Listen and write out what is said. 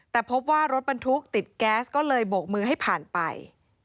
แต่พบว่ารถบรรทุกติดแก๊สก็เลยโบกมือให้ผ่านไป